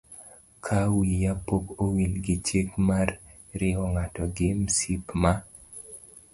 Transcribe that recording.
Ka wiya pok owil gi chik mar riwo ng'ato gi msip ma